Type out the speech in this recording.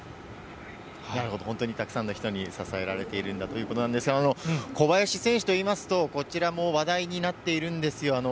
なるほど、本当にたくさんの方に支えられているんだということなんですが、小林選手といいますと、こちらも話題になっているんですよ。